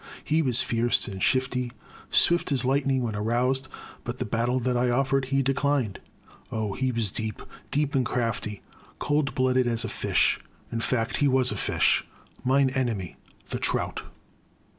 He was fierce and shifty, swift as lightning when aroused, but the battle that I offered he declined. Oh, he was deep, — deep and crafty, cold blooded as a fish, — ^in fact, he was a fish, Mine Enemy, the Trout.